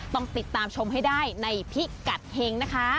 ต้องติดตามชมให้ได้ในพิกัดเฮงนะคะ